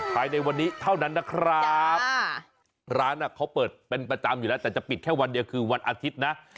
ภายในวันนี้เท่านั้นนะครับร้านเขาเปิดเป็นประจำอยู่แล้วแต่จะปิดแค่วันเดียวคือวันอาทิตย์นะ